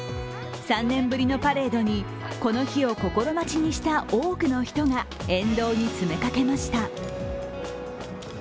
３年ぶりのパレードにこの日を心待ちにした多くの人が沿道に詰めかけました。